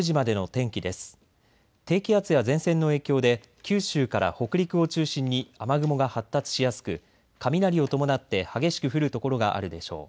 低気圧や前線の影響で九州から北陸を中心に雨雲が発達しやすく雷を伴って激しく降る所があるでしょう。